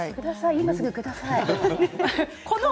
今すぐください。